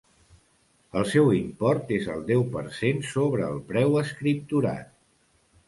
El seu import és el deu per cent sobre el preu escripturat.